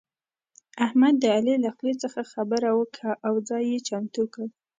احمد د علي له خولې څخه خبره وکښه او ځای يې چمتو کړ.